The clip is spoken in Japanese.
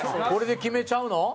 これで決めちゃうの？